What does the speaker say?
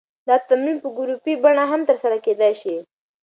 دا تمرین په ګروپي بڼه هم ترسره کېدی شي.